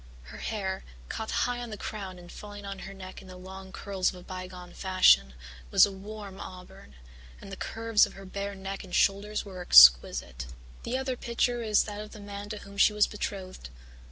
Her hair, caught high on the crown and falling on her neck in the long curls of a bygone fashion, was a warm auburn, and the curves of her bare neck and shoulders were exquisite. "The other picture is that of the man to whom she was betrothed.